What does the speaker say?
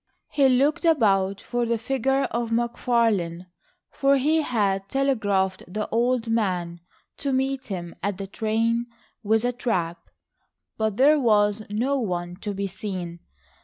He looked about for the figure of McFarlane, for he had telegraphed the old man to meet him at the train with a trap, but there was no one to be seen.